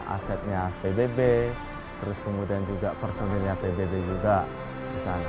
asetnya pbb terus kemudian juga personilnya pbb juga di sana